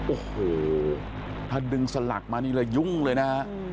โอ้โหถ้าดึงสลักมานี่แล้วยุ่งเลยนะฮะ